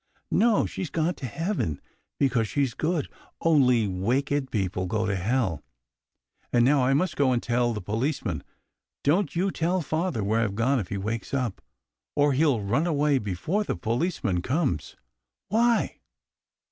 " No ! she's gone to heaven, because she's good. Only wicked people go to hell. And now I must go and tell the policeman. Don't you tell father where I've gone if he wakes up, or he'll run away before the policeman comes." Why